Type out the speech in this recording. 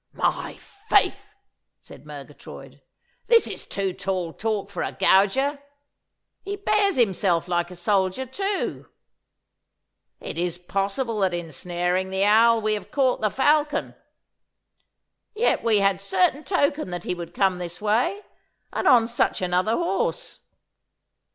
'My faith!' said Murgatroyd. 'This is too tall talk for a gauger. He bears himself like a soldier, too. It is possible that in snaring the owl we have caught the falcon. Yet we had certain token that he would come this way, and on such another horse.